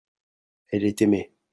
elle est aimée.